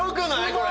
これ！